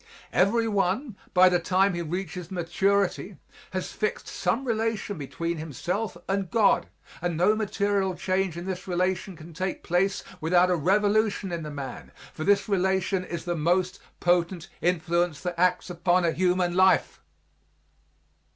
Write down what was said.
Every one, by the time he reaches maturity, has fixt some relation between himself and God and no material change in this relation can take place without a revolution in the man, for this relation is the most potent influence that acts upon a human life.